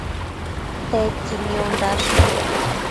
Tedtsi niondash?